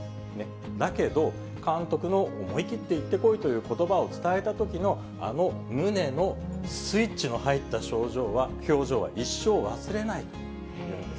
だけど、監督の思い切って行ってこいということばを伝えたときのあのムネのスイッチの入った表情は一生忘れないと。